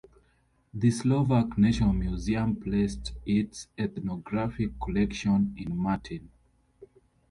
The Slovak National Museum placed its ethnographic collection in Martin.